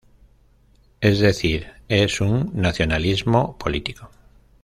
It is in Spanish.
Es decir, es un nacionalismo político.